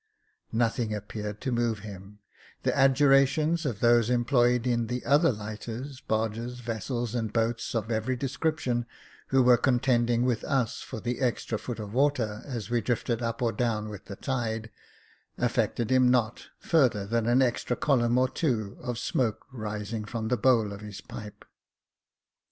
Nothing appeared to move him : the adjurations of those employed in the other lighters, barges, vessels, and boats of every description, who were contending with us for the extra foot of water, as we drifted up or down with the tide, affected him not, further than an extra column or two of smoke rising from the bowl of his pipe.